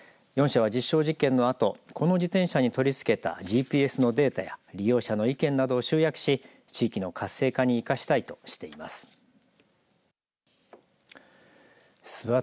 ４社は実証実験のあとこの自転車に取り付けたＧＰＳのデータや利用者の意見などを集約し地域の活性化に生かしたいとしています。